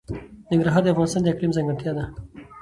ننګرهار د افغانستان د اقلیم ځانګړتیا ده.